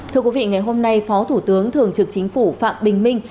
thưa quý vị ngày hôm nay phó thủ tướng thường trực chính phủ phạm bình minh